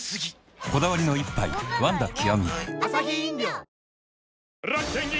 こだわりの一杯「ワンダ極」